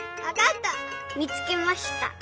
みつけました。